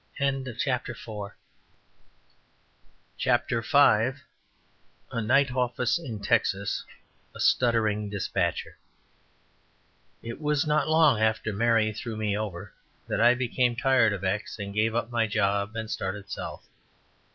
CHAPTER V A NIGHT OFFICE IN TEXAS A STUTTERING DESPATCHER It was not long after Mary threw me over that I became tired of X and gave up my job and started south.